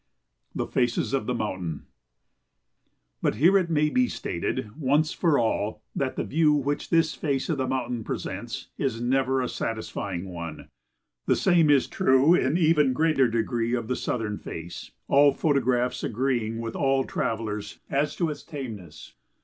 ] [Sidenote: The Faces of the Mountain] But here it may be stated once for all that the view which this face of the mountains presents is never a satisfying one. The same is true in even greater degree of the southern face, all photographs agreeing with all travellers as to its tameness.